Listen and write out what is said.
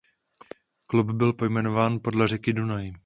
Klub byl pojmenován podle řeky Dunaj.